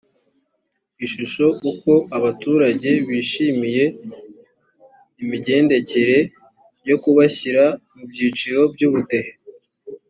ishusho uko abaturage bishimiye imigendekere yo kubashyira mu byiciro by ubudehe